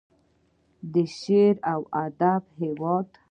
د شعر او ادب هیواد.